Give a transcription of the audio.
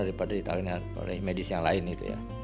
daripada ditangani oleh medis yang lain gitu ya